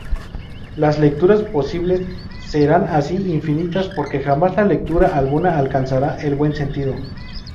Las lecturas posibles serán así infinitas porque jamás lectura alguna alcanzará el buen sentido.